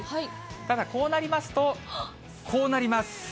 ただ、こうなりますと、こうなります。